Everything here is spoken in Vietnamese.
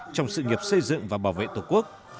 trong sự nghiệp xây dựng và bảo vệ tổ quốc